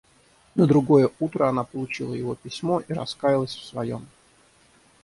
На другое утро она получила его письмо и раскаялась в своем.